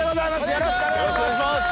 よろしくお願いします！